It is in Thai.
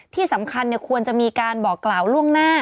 ที่สำคัญควรจะมีการบอกกล่าวล่วงหน้า